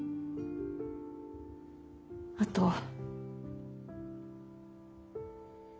あと。